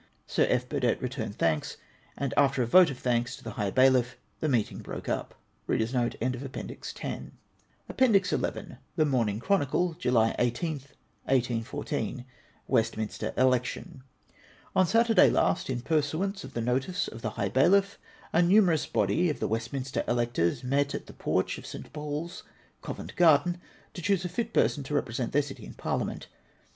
Sir F. Burdett returned thanks ; and, after a vote of thanks to the high bailiff, the meeting broke up. APPENDIX XL [Tlie Morning Chronicle, July IStli, 1814.] WESTMINSTER ELECTION. On Saturday last, in pursuance of the notice of the high bailiff, a numerous body of the Westminster electors met at the porch of St. Paul's, Covent Grarden, to choose a fit person to represent their city in Parliament.